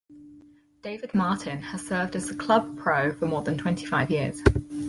David Martin has served as the club pro for more than twenty-five years.